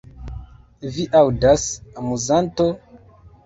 Vi aŭdas, amuzanto?